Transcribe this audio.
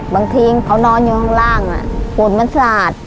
บางทีเค้านอนอยู่ข้างล่างโปรดมันสะอาด